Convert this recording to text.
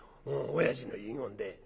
おやじの遺言で」。